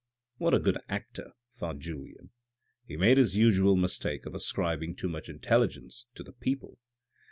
" What a good actor," thought Julien. He made his usual mistake of ascribing too much intelligence to the people.